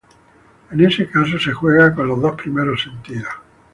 En este caso se juega con los dos primeros sentidos.